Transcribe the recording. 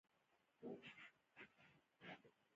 د متن لنډیز زموږ هېواد غرنی دی ځنګلونه لري.